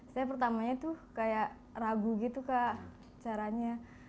saya pertamanya ragu caranya